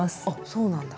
そうなんだ。